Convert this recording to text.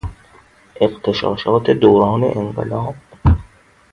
اغتشاشات دوران انقلاب